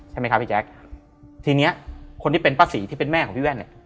ใช่ไหมครับพี่แจ๊คทีเนี้ยคนที่เป็นป้าศรีที่เป็นแม่ของพี่แว่นเนี่ย